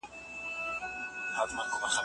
دا کار د ځان ښودنې لپاره مه کوه.